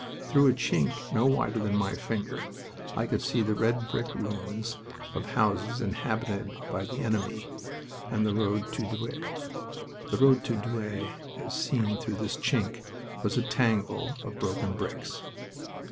Through a chink no wider than my finger I could see the red brick ruins of the houses inhabited by the enemy and the road to Douai... The road to Douai as seen through this chink was a tangle of broken bricks.